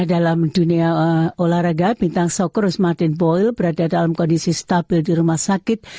dalam dunia olahraga bintang soker rosmatin boyle berada dalam kondisi stabil di rumah sakit